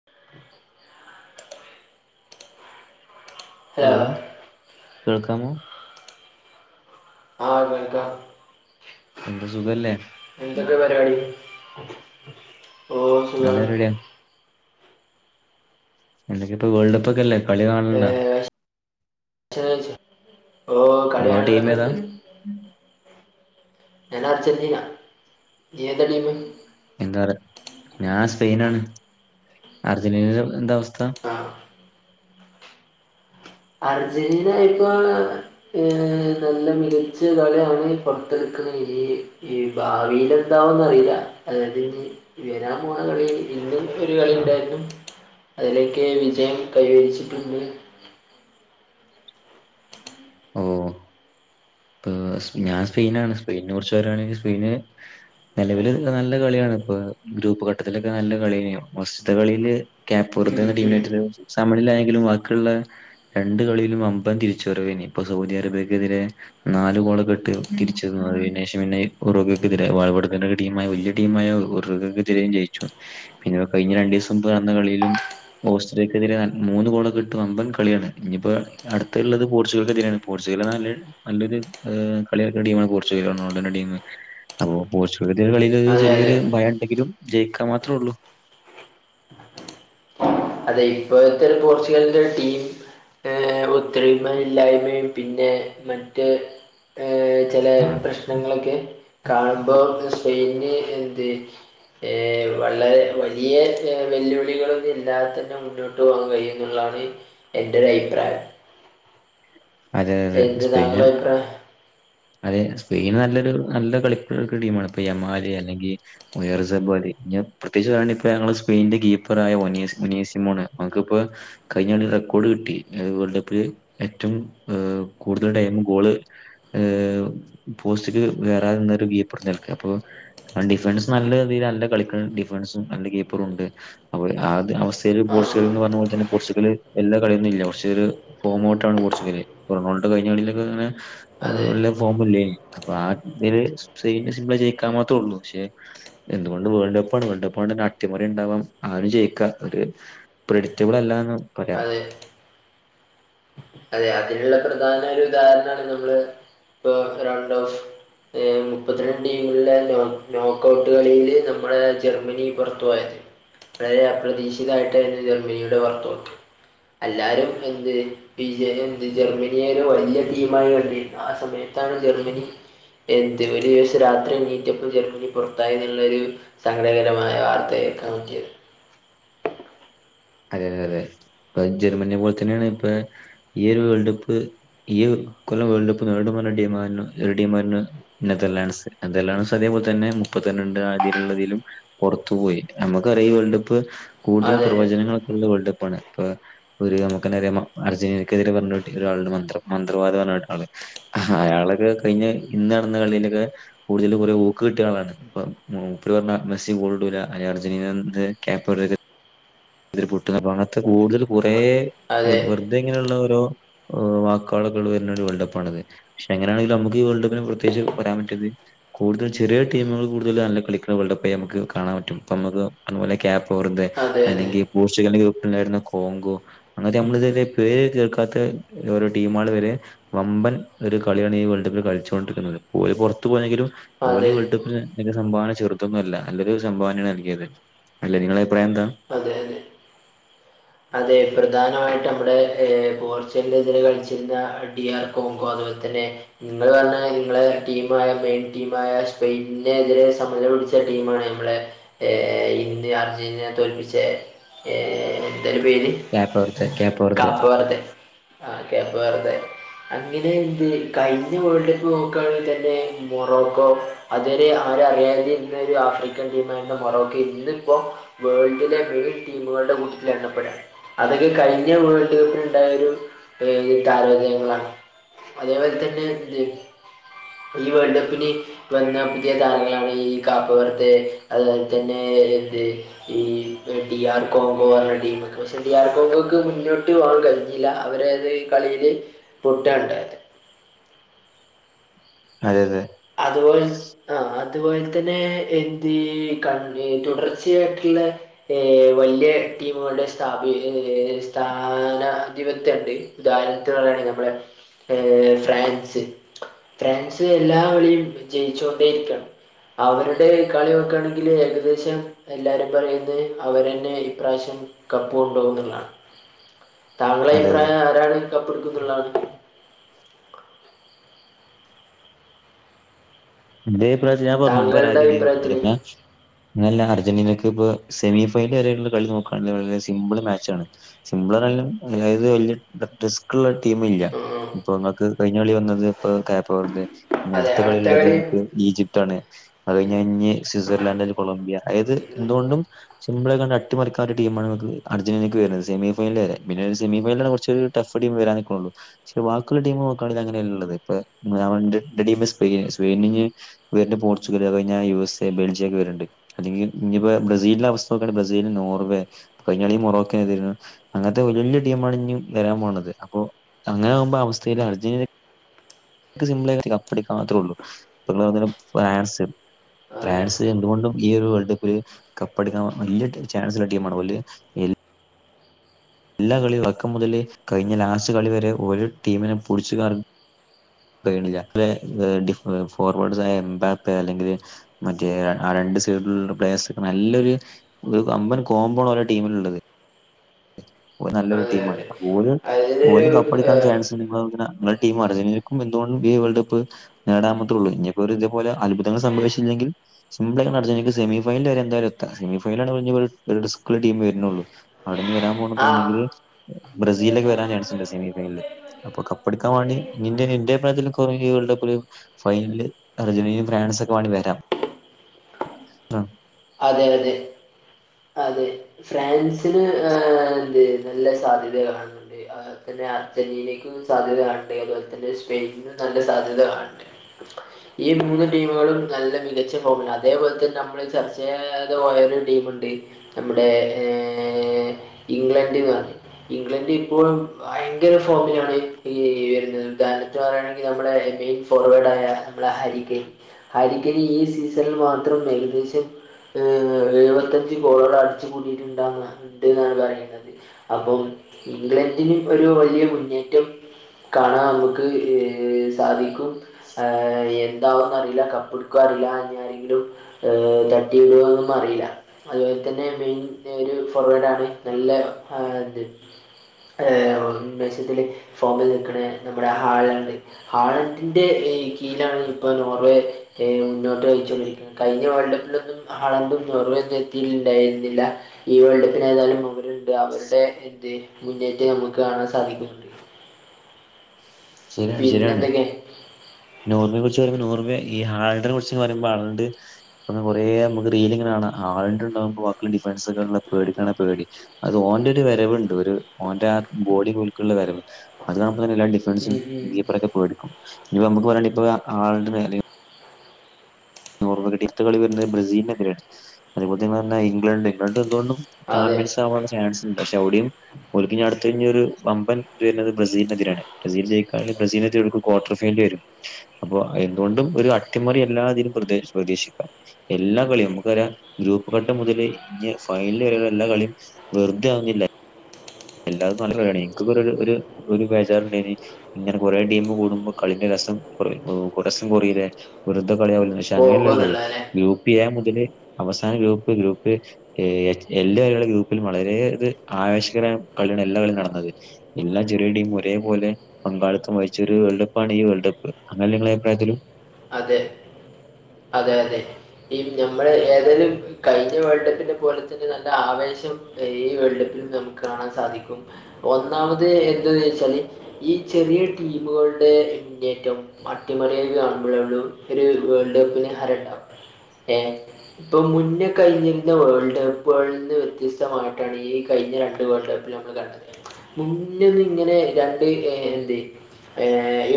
[inaudible] Hello കേൾക്കാമോ ആ കേക്കാ എന്താ സുഖല്ലേ എന്തൊക്കെ പരിവാടി നല്ല പരിവാടിയാണ് എന്തൊക്കെയിപ്പൊ വേൾഡ് കപ്പൊക്കല്ലേ കളി ഏ, കാണേണ്ടോ ഭക്ഷണം കഴിച്ചോ? ഓ ബ്രോ കളിയാണലൊക്കെ ടീമേതാ ഉണ്ട് ഞാൻ അർജൻ്റീന നീയേതാ ടീമ് എന്താ പറ ഞാൻ സ്പെയ്നാണ് അർജന്റീന എന്താ അവസ്ഥ ആ അർജന്റീന [inaudible] ഏ നല്ല മികച്ച കളി [inaudible] ഈ ഭാവിലെന്താവൂന്നറിയില്ല അതുണ്ടിനി വരാൻപോണ കളി ഇന്നും ഒരു കളി ഇണ്ടാരുന്നു അതിലേക്ക് വിജയം കൈവരിച്ചിട്ടുണ്ട് അ ഉം ഞാൻ സ്പെയിനാണ് സ്പെയിനൊറിച്ച് പറയാണെങ്കി സ്പെയിന് നിലവില് നല്ല കളിയാണ് ഇപ്പൊ ഗ്രൂപ്പ്ഘട്ടത്തിലൊക്കെ നല്ല കളിയയെയിനു ഫസ്റ്റത്തെ കളിയില് ഉം, ക്യാപൊറത്തൂന്ന് ഉം. ടീമിനുട്ടിന് സമനിലായെങ്കിലും ബാക്കിയുള്ള രണ്ട് കളീലും വമ്പൻ തിരിച്ചുവരവാനി ഇപ്പൊ സൗദി അറേബ്യക്കെതിരെ [unintelligible] ടീമായ ഒറകക്കെതിരെയും ജയിച്ചു പിന്നെ കഴിഞ്ഞ രണ്ടൂസം മുമ്പ് നടന്ന കളിയിലും ഓസ്ട്രേലിയക്കെതിരെ മൂന്ന് ഗോളൊക്കെ ഇട്ടു വമ്പൻ കളിയാണ് ഇനി ഇപ്പോ അടുത്തെയുള്ളത് പോർച്ചുഗൽക്കെതിരെയാണ് പോർച്ചുഗൽ നല്ല നല്ലൊരു കളിയെറക്കുണ ടീമാണ് പോർച്ചുഗൽ റൊണാൾഡോന്റെ ടീമ് അപ്പോ പോർച്ചുകദ്യയുടെ കളിയൊരു അതെ അതെ ചെറിയൊരു ഭയം ഉണ്ടെങ്കിലും ജയിക്കാൻ മാത്രമേ ഒള്ളൂ അതെ ഇപ്പോഴത്തെ ഒരു പോർച്ചുഗലിന്റെ ഒരു ടീം ഏ ഒത്തരിമയും ഇല്ലായ്മയും പിന്നെ മറ്റ് ഏ ചെല പ്രശ്നങ്ങളൊക്കെ കാണുമ്പോ സ്പെയിന്ന് എന്ത് ഏ വളരെ വലിയ വെല്ലുവിളികളൊന്നി അല്ലാതന്നെ മുന്നോട്ട് പോവാൻ കഴിയുംന്നുള്ളതാണ് എന്റെ ഒരു അയിപ്രായം അതെ അതെ എന്ത് സ്പെയിന് താങ്കളുടെ അഭിപ്രായം അതെ സ്പെയിന് നല്ലൊരു നല്ല കളി കളിക്കണ ടീമാണ് അപ്പൊ യമാല് അല്ലെങ്കി പ്രത്യകിച്ച് ഞങ്ങള്സ്പെയിനിൻ്റെ കീ പറായഓനീയസ് മുനിസ്മൂണ് ഓൻക്കിപ്പോ കഴിഞ്ഞ കളി റെക്കോർഡ് കിട്ടി വേൾഡ് കപ്പില് ഏറ്റവും ഏ കൂടുതൽ ടൈം ഗോള് ഏ പോസ്റ്റില് വേറാർന്നൊരു കിപ്പറ്‌നിൽക്ക് അപ്പൊ ആ ഡിഫൻസ് നല്ല രീതില് നല്ല കളിക്കണം ഡിഫൻസും നല്ല കീപ്പറും ഉണ്ട് അപ്പൊളെ ആത് അവസ്ഥയില് ആഹ് പോർച്ചുഗലെന്ന് പറഞ്ഞപോലെതന്നെ പോർച്ചുഗല് എല്ലാ കളിയൊന്നും ഇല്ല പക്ഷേല് ഫോമോട്ടാണ് പോർച്ചുഗല് ഫോണോൾട്ട് കഴിഞ്ഞാലില്ലകിങ്ങനെ അതെ [unintelligible] എന്തുകൊണ്ടും വേൾഡ്കപ്പാണ് വേൾഡ് കപ്പാ ആണേനട്ടിമറി ഇണ്ടാവാം ആരും ജയിക്കാ ഒരു പ്രെഡിക്റ്റബിളല്ലാന്ന് അതെ അതെ അതിനൊള്ള പ്രധാന ഒരു ഉദാഹരണാണ് നമ്മള് ഇപ്പൊ റൗണ്ടോഫ് ഏ മുപ്പത്തിരണ്ടിമുകൾടെ നോക്കൗട്ട് കളിയില് നമ്മുടെ ജർമ്മനി പുറത്തു പോയേ വളരെ അപ്രതീക്ഷിതായിട്ടാരുന്നു ജർമ്മനിയുടെ വാർക്കൗട്ട്എല്ലാരും എന്ത് വിജയെന്ത് ജർമ്മനി വലിയ ടീമായാണ്ട് ആ സമയത്താണ് ജർമ്മനി എന്തു പരിഒരു ദിവസം രാത്രി എണീറ്റപ്പം ജർമ്മനി പൊർത്തായി എന്നുള്ളൊരു സങ്കടകരമായ വാർത്ത കേക്കാൻ പറ്റിയത് അതെ അതെ അതെ ഇപ്പ ജെർമ്മനിയെ പോലെ തന്നെയാണ് ഇപ്പൊ ഈ ഒരു വേൾഡ് കപ്പ് ഈ ഇക്കൊല്ലം വേൾഡ് കപ്പ് നേടും പറഞ്ഞ ടീമാരെന്നെ നെതർലാൻഡ്സ് നെതർലാൻഡ്സ് അതേപോലെ തന്നെ മുപ്പത്തി രണ്ട് ആതിലുള്ളതിലും പൊറത്തു പോയി നമ്മക്കറിയാ ഈ വേൾഡ് കപ്പ് കൂടുതൽ അതെ പ്രവചനങ്ങളൊക്കെ ള്ള വേൾഡ് കപ്പാണ് ഇപ്പ ഒര് നമുക്കെന്നെ അറിയാ അർജന്റീനയ്ക്കെതിരെ പറഞ്ഞ ഒരാളുണ്ട് മന്ത്ര മന്ത്രവാദം പറഞ്ഞാട്ട് ആള് അയാളൊക്കെ കഴിഞ്ഞ ഇന്ന് നടന്ന കളീലൊക്കെ കൂടുതൽ കൊറേ ഊക്ക് കിട്ടിയ ആളാണ് അപ്പ മൂപ്പര് പറഞ്ഞ് മെസ്സി ഗോള്ടൂല അർജന്റീനന്ന്ൻ്റെ ഇതിൽ കൂടുതൽ കുറേ വെർ അതെ വെർ ഇത്ങ്ങനെള്ള ഓരോ വാക്കുകൾ വര്ന്ന വേൾഡപ്പ് ആണല്ലെ പക്ഷെങ്ങനെയാെങ്കിലു നുക്ക് ഈ വേൾഡ് കപ്പന് പ്രത്യേകിച്ച് പറയാൻ പറ്റത് കൂടുതൽ ചെറിയ ടീമുകൾ കൂടുതൽ നല്ല കളിക്ക്ണ വേൾഡ് കപ്പായി നമുക്ക് കാണാൻ പറ്റും പ്പ മ്മക്ക് അതുപോലെ കേപ് വർദ്ധെ അതെ അതെ അല്ലെങ്കിൽ പോർച്ചുഗൽ ൻ്റെ ഗ്രൂപ്പിസുണ്ടായിരുന്ന കോങ്കോ ആദ്യം നമ്മള് ഇതി പേര് ചേർക്കാത്ത ഓരോ ടീമാള് വരെ വമ്പൻ ഒരു കളിയാണ് ഈ വേൾഡ് കപ്പിൽ കളിച്ചുകൊണ്ടിരിന്നത് ഓല് പുറത്തു പോയങ്കിലും ഓല് അതെ വേൾഡ് കപ്പിന് എ സംഭാവന ചെറുതൊന്നുല്ല നല്ലൊരു സംഭാവനയാണ് നൽകിയത് അല്ലെ നിങ്ങളെ അഭിപ്രായെന്താ അതെ യതെ അതെ പ്രധാനമായിട്ട് നമ്മടെ ഹേ പോർച്ചുഗലിനെതിരെ കളിച്ചിരുന്ന ഡി ആർ കോങ്കോ അതുപോലെ തന്നെ നിങ്ങള് പറഞ്ഞ നിങ്ങളെ ടീമായ മെയിൻ ടീമായ സ്പെയിനെ എതിരെ സമരം മറ്റേ ടീമാ നമ്മളെ ഏ ഇന്ത്യ അർജന്റീനനെ തോൽപ്പിച്ച അയിൻ്റെ പേര് ക്യാപ്പവർത്ത് ക്യാപ്പവർത്ത് കാപ്പ വറദേ ആ കേപ്പ വറദ്ധെ അങ്ങനെ എന്ത് കഴിഞ്ഞ വേൾഡ് കപ്പ് നോക്കാണെങ്കിലെന്നെ മൊറോക്കോ അതരെ ആരും അറിയാതെ ഇന്നരു ആഫ്രിക്കൻ ടീമായിരുന്ന മോറോകൊ ഇന്ന് ഇപ്പം വേൾഡിലെ മെയിൻ ടീമുകളുടെ കൂട്ടത്തിൽ എടപ്പെടൽ അതൊക്കെ കഴിഞ്ഞ വേൾഡ് കപ്പിൽ ഇണ്ടായൊരു താരോദയങ്ങളാണ് അതേമാതിരി തന്നെ ഈ വേൾഡ് കപ്പിന് വന്ന പുതിയ താരങ്ങളാണ് ഈ കപ് വറുതേ അതുപോലെ തന്നെ എന്ത് ഈ ഡി ആർ കോം കോ പക്ഷെ ഡി ആർ കോം കോക്ക് മുന്നോട്ട് പോകാൻ കഴിഞ്ഞില്ല അവരത് കളിയില് പൊട്ടാണ്ടായത് അതെ യതെ അതുപോലെന്നെ ആ അതുപോലെ തന്നെ [unintelligible] തുടർച്ചയായിട്ടുള്ള ഏ വല്ല്യ ടീമുകളുടെ സ്ഥാപി ഏ സ്ഥാനാർഥിപത്യണ്ട് ഉദാഹരണത്തിന് പറയയാണെങ്കിൽ നമ്മളെ ഏ ഫ്രാൻസ് ഫ്രാൻസ് എല്ലാ എല്ലാ കളിയിലും വിജയിച്ചു കൊണ്ടേരിക്കാണ് അവരുടെ കളി നോക്കാണെങ്കിൽ ഏകദേശം എല്ലാരും പറയുന്നെ അവരെന്നെ ഇപ്രാവശ്യം കപ്പ് കൊണ്ടോവുംന്നുള്ളാണ് താങ്കളെ അതെ അതെ അഭിപ്രായം ആരാണ് കപ്പ് ഇടുക്കുന്നുള്ളാണ് ഇൻ്റെ അയിപ്രായം ഞാൻ പറഞ്ഞു താങ്കളുടെ അഭിപ്രായത്തിൽ [unintelligible] ഇങ്ങനല്ല അർജന്റീനക്ക് ഇപ്പം സെമി ഫൈനൽ വരെയുള്ള കളി നോക്കാണെകിൽ വളരെ സിമ്പിള് മാച്ചാണ് സിമ്പിള് പറഞ്ഞില് അതായത് വലിയ [unintelligible] ള്ളൂ ടീമില്ല പ്പൊ നിങ്ങക്ക് കഴിഞ്ഞ കളി വന്നത് ഇപ്പൊ കേപ്പ് വർദ്ധേ ഇനി അതെ അടുത്ത കളിള്ളത് കളി ഈജിപ്താണ് അത് കഴിഞ്ഞാ ഇഞ്ഞ് സിസർ ലാൻഡ് കൊളംബിയ അതായത് എന്തുകൊണ്ടും സിമ്പിളായി കാണ്ട് അട്ടിറിക്കാനുള്ള ടീമാണ് ഇങ്ങക്ക് അർജന്റീനക്ക് വരുന്നത് സെമീ ഫൈനൽ വരെ പിന്നെ സെമീ ഫൈനലിലണ് കുറച്ചൊര് ടഫ്ടീമ് വരാൻ നിക്കുണൊള്ളൂ പക്ഷെ വാക്കിള്ള ടീമ് നോക്കാണെകിൽ അങ്ങനെള്ളത് ഇപ്പം ഇൻ്റെ ടീം സ്പെയിൻ സ്പെയിന് ഏഹ് വീണ്ടും പോർച്ചുഗല് അത് കഴിഞ്ഞ യു എസ് എ ബെൽജിയൊക്കെ വെര്ണ്ട് അല്ലെങ്കി ഇഞ്ഞിപ്പെ ബ്രസീല്ന്റെ അവസ്ഥോക്കാണെ ബ്രസീല് നോർവേ കഴിഞ്ഞളി മൊറോക്കെ എതിരാ അങ്ങൻത്തെ വെല്യ വെല്യ ടീമാണ് ഇനീ വരാൻ പോണത് അപ്പൊ അങ്ങനെയാവുമ്പം ആ അവസ്ഥേല് അർജന്റീനക്ക് സിമ്പ്ളായ്ട്ട് കപ്പടിക്കാമാത്രോള്ളു [unintelligible] ഫ്രാൻസ് അതെ ഫ്രാൻസ് എന്തുകൊണ്ടും ഈ ഒരു വേൾഡപ്പില് കപ്പടിക്കാൻ വല്യ ചാൻസുള്ള ടീമാണ് ഓല് എ ല്ലാ കളിയും തൊടക്കം മുതല് കഴിഞ്ഞ ലാസ്റ്റ് കളി വരെ ഒരൊ ടീമിനും പുടിച്ച് കറ [unintelligible] വേ ഡിഫ് ഫോർവേഡ്സ് എംബാപ്പേ അല്ലെങ്കില് മറ്റേ ആ രണ്ട് സൈഡിലുള്ള പ്ലേയേസ് ഒക്കെ നല്ലൊരു ഇത് വമ്പൻ കോംമ്പോണ് അവരെ ടീമിലുള്ളത് ഓല് നല്ലൊരു അതെ ടീമാണ് അതെ ഓല് അതിനൊരു ഓല് കപ്പടിക്കാൻ ഏഹ്, ചാൻസ് [unintelligible] ഇങ്ങളെ ടീം [unintelligible] എന്തോണ്ടും ഈ വേൾഡ് കപ്പ് നേടാമത്തൊള്ളു ഇഞ്ഞിപ്പൊരു ഇതെപോലെ അത്ഭുങ്ങൾ സംഭവിച്ചില്ലങ്കിൽ സിമ്പിളായ്ട്ട് അർജന്റീനക്ക് സെമിഫൈനല് വരെ എന്തായാലു എത്ത സെമിഫൈനലാണ് പിന്നി ഒരു ഒരു ഡിസ്‌ക്ള്ള ടീം വര്ണൊള്ളു അവ്ടെ ഇനി വരാൻ പോണത് ആ ഒന്നങ്കില് ബ്രസീലൊക്കെ വരാൻ ചാൻസ്ണ്ട് സെമി ഫൈനല് അപ്പൊ കപ്പെടുക്കാൻ വാണ്ടി നിന്റെ നിൻ്റെ അയ്‌പ്രാത്തിലും കൊറെ കൊറേഞ്ഞി വേൾഡ് കപ്പില് ഫൈനല് അർജൻ്റീനിം ഫ്രാൻസ് ഒക്കെ വണങ്ങി വരാം അഹ് അതെ അതെ അതെ ഫ്രാൻസിന് ഏഹ് എന്തേന്ന് നല്ല സാധ്യതക്കെ കാൺണ്ട് യാ അതന്നെ അർജന്റീനയ്ക്കും സാധ്യത കാൺണ്ട് അതുപോലെ തന്നെ സ്പെയിനിനും നല്ല സാധ്യത കാൺണ്ട് ഈ മൂന്ന് ടീമുകളും നല്ല മികച്ച ഫോമി‌ലാ അതെ പോലതന്നെ നമ്മള് ചർച്ചേ ചെയ്യാതെ പോയത് ടീമ്ണ്ട് ഇവിടെ ഏ ഇംഗ്ലണ്ട് വ ഇംഗ്ലണ്ട് ഇപ്പോഴും ഭയങ്കര ഫോമിലാണി ഈ എന്ത് തെളിയിച്ച് പറയാണെങ്കില് നമ്മളെ എൻട്രി ഫോർവേഡായ ബ്രാ ഹരികെയ്ൻ ഹരി കെയ്ൻ ഈ സീസണ് മാത്രം ഏകദേശം ഏഹ് എഴുവത്തഞ്ച് ഗോളാണ് അ ഇത് കൂടില്ണ്ടാവുന്ന ഇണ്ട്ന്നാണ് പരണത് അപ്പം ഇംഗ്ലണ്ടിന് ഇപ്പൊരു വല്ല്യ മുന്നേറ്റം കാണാൻ അമ്മക്ക് ഏഹ് സാധിക്കും ഏഹ് എന്താവുന്നറീല കപ്പ് ഇട്ക്കൊ അറിലാ ഇഞ്ഞാരങ്കിലും ഏഹ് തട്ടിയോന്നറീല അതുപോൽ തന്നെ മിൻ ഒരു ഫറോഡാണ് നല്ല ആൻ്റ് ഏയ് മെസിത്തില് ഫോമില് നിക്കണെ നമ്മുടെ ഹാളാണ്ട് ഹാൾണ്ടിന്റെ കീഴ്ലാണ് ഇപ്പം നോർവേ ക്കെ മുന്നോട്ട് വെച്ചോണ്ടിരിക്കുന്നെ കയിഞ്ഞ വേൾഡ് കപ്പിലൊന്നും ഹളാണ്ടും നേർവെന്നും എത്തിണ്ടായി ഇല്ല ഈ വേൾഡ്കപ്പിനായിതുന്നാലും അവരുണ്ട് അവരുടെ എന്ത് മുന്നേറ്റം നമുക്ക് കാണാൻ സാധിക്കുന്നു ശരിയാണ് ശരിയാണ് പിന്നെന്തൊക്കെ നോർവെ കൊറിച്ച് പറയുമ്പോ നോർവേ ഈ ഹാൾഡന് കൊറിച്ച് പറയുമ്പോ ആൾഡ് അന്ന് കൊറേ നമുക്ക് റീലിങ്ങനെ കാണാം ഹാളണ്ട് ഇണ്ടാവുമ്പോ വാക്കിളെ ഡിഫാൻസക്കെ പേടിക്കണേ പേടി അത് ഓന്റെ ഒര് വെരവിണ്ട് ഒരു ഓന്റെ ആയ ബോഡി കുലുക്കിള്ള വെരവ് അത് അപ്പത്തന്നെ എല്ലാ ഡിഫൻസും ഉം ഉം. കീപ്പറൊക്കെ പേടിക്കും ഇത് നമുക്ക് പറ ഇപ്പ ആളിന്റെ മെലെ [unintelligible] ടിഫ്ത്ത് കളി വെരണെ ബ്രസീലിന്റെ [unintelligible] അതെപോലെത്തെ ഞങ്ങള് പറഞ്ഞെ ഇംഗ്ലണ്ട് ഇംഗ്ലണ്ട് എന്തുകൊണ്ടും അതെ ചാമ്പ്യൻസാവാനുള്ള ചാൻസിണ്ട് പക്ഷെ അവുടേം ഓൽക്കിനി അടുത്തെ ഇനിയൊരു വമ്പൻ [unintelligible] വരുന്നത് ബ്രസീലിനെതിരാണ് ബ്രസീല് ജയിക്കാണെ ബ്രസീൽനെയ്റ്റെടുക്കും ക്വാർട്ടർ ഫൈനൽ വരും അപ്പൊ എന്തുകൊണ്ടും ഒര് അട്ടിമറി എല്ലാതിലും പ്രേതേഷ് പ്രതീക്ഷിക്കാം എല്ലാ കളിയും നമുക്കറിയ ഗ്രൂപ്പ് ഘട്ടം മുതല് ഇനി ഫൈനല് വെരെയുള്ള എല്ലാ കളിയും വെറുതെ ആവുന്നില്ലെ എല്ലാർക്കും [unintelligible] ഇൻക്കും [unintelligible] ഒര് ഒരു ബെജാറ് ഇണ്ടായിനി ഇങ്ങനെ കുറേ ടീമു കൂടുമ്പോ കളിന്റെ രസം കുറ രസം കുറല്ലേ വെറുതെ കളി ആവൂല്ലേ. പക്ഷെ അങ്ങനെയല്ല ഉള്ളത് പോകുന്നുള്ളതല്ലേ ഗ്രൂപ്പ് എ മുതല് അവസാന ഗ്രൂപ്പ് ഗ്രൂപ്പ്- എല്ലവരെള്ള ഗ്രൂപ്പില് വളരത് ആവേശകരമായ കളിയാണ് എല്ലാ കളിയും നടന്നത്. എല്ലാ ചെറിയ ടീം ഒരേ പോലെ- പങ്കാളിത്തം വഴിച്ച ഒരു വേൾഡ് കപ്പാണ് ഈ വേൾഡ് കപ്പ് അങ്ങനെ നിങ്ങളുടെ അഭിപ്രായത്തിൽ അതെ അതെ അതെ ഈ ഞമ്മള് ഏതെിലും- കഴിഞ്ഞ വേൾഡ് കപ്പിനെ പോലെ തന്നെ നല്ല ആവേശം ഈ വേൾഡ് കപ്പിലും നമുക്ക് കാണാൻ സാധിക്കും. ഒന്നാമത് എന്തന്ന് വച്ചാല്- ഈ ചെറിയ ടീമുകളുടെ മുന്നേറ്റം അട്ടിമറിയുകയാണ്- വേൾഡ് കപ്പില് വേൾഡ് കപ്പില് ആരാ- ഇപ്പോ മുന്നേ കഴിഞ്ഞിരുന്ന വേൾഡ് കപ്പുകളിൽ നിന്ന് വ്യത്യസ്തമായിട്ടാണ് ഈ കഴിഞ്ഞ രണ്ട് വേൾഡ് കപ്പ് നടന്നെ- മുന്നന്ന് ഇങ്ങനെ രണ്ട് എന്ത്-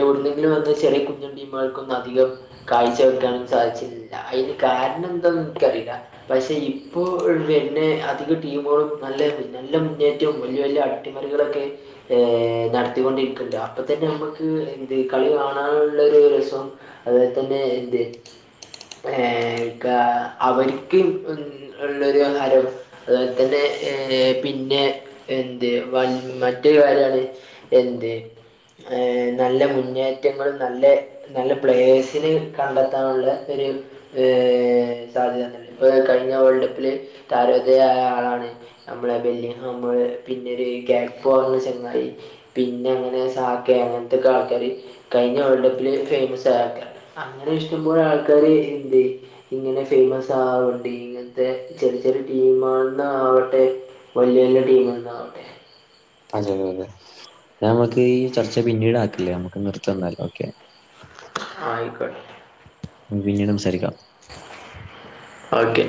എവിടുന്നെങ്കിലും വന്ന് ചെറിയ കുഞ്ഞൻ ടീമുകൾക്കൊന്നു അധികം- കാഴ്ച വെക്കാനും സാധിച്ചില്ല അതിന് കാരണം എന്താന്ന് നിനിക്കറിയില്ല- പക്ഷെ ഇപ്പോ വരുന്നെ അധിക ടീമുകളും നല്ല നല്ല മുന്നേറ്റവും വലിയ വലിയ- അടിമറികളൊക്കൊയി- ഏഹ നടത്തികൊണ്ടിരിക്കില്ല അപ്പോ തന്നെ നമ്മുക്ക് ഇത് കളി കാണാനുള്ള ഒരു രസം- അതുപോലെ തന്നെ എന്ത് ഏഹ അവർക്കും- ഇങ്ങനെയുള്ള ഒരു ഹാരൊ അതുപോലെ തന്നെ ഏ പിന്നെ എന്ത് വ മറ്റൊരു കാര്യണ്- എന്ത് ഏഹ നല്ല മുന്നേറ്റങ്ങള് നല്ല നല്ല പ്ലയെര്സിനെ കണ്ടെത്താനുള്ള ഒരു ഏഹ സാധ്യത തന്ന ഇപ്പോ കഴിഞ്ഞ വേൾഡ് കപ്പില് താരുദയമായ ആളാണ്. നമ്മളെ [unintelligible] പിന്നെരു കാപോ പറഞ്ഞൊരു ചെങ്ങായി പിന്നെ അങ്ങനെ സാക്ക അങ്ങനത്തെ ആൾക്കാര് കഴിഞ്ഞ വേൾഡ് കപ്പില് ഫേമസ്- അങ്ങനെ ഇഷ്ടംപോലെ ആൾക്കാര് ഇണ്ട് ഇങ്ങനെ ഫേയ്മസ് ആവണ്ടി ഇന്നത്തെ ചെറിയ ചെറിയ ടീം ആണെന്ന് ആകട്ടെ വലിയ വലിയ ടീം ആണെന്ന് ആകട്ടെ- അതെ അതെ നമുക്കീ ചർച്ച പിന്നീട് ആക്കില്ലേ നമ്മുക്ക് നിർത്തന്നാലോ ഓക്കേ ആഹ് ആയിക്കോട്ടെ. പിന്നീട് സംസാരിക്കാം. ഓക്കേ